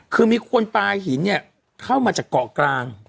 คือมีคนปลาหินเนี่ยเข้ามาจากเกาะกลาง